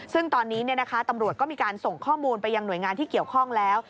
ซึ่งตอนนี้ตำรวจก็มีการส่งข้อมูลไปยังหน่วยงานที่เกี่ยวข้องแล้ว